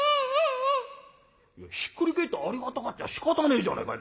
「いやひっくり返ってありがたがっちゃしかたねえじゃねえか。